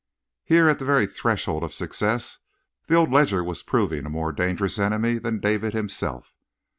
Here at the very threshold of success the old ledger was proving a more dangerous enemy than David himself.